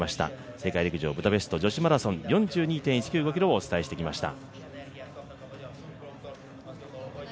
世界陸上ブダペスト女子マラソン４２．１９５ｋｍをお伝えしてきました。